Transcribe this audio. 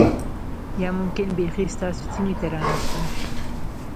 یا ممکن بیخی ستاسو سیمې ته را نشي